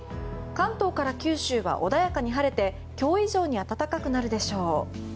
関東から九州は穏やかに晴れて今日以上に暖かくなるでしょう。